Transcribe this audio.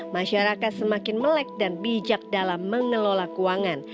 masyarakat semakin melek dan bijak dalam mengelola keuangan